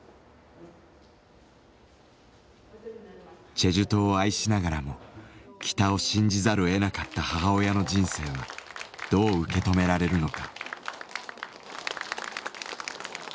チェジュ島を愛しながらも北を信じざるをえなかった母親の人生はどう受け止められるのか。